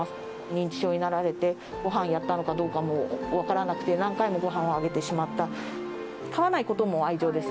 認知症になられて、ごはんやったのかどうかも分からなくて、何回もごはんをあげてしまった。